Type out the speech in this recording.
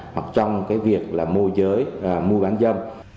hoặc trong cái việc là môi giới mua bán dâm